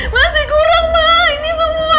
masih kurang pak ini semua